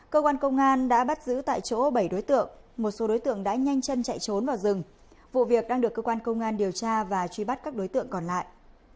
cơ quan công an đã bắt giữ tại chỗ bảy đối tượng một số đối tượng đã nhanh chân chạy trốn vào rừng vụ việc đang được cơ quan công an điều tra và truy bắt các đối tượng còn lại